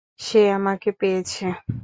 সে আমাকে পেয়েছে।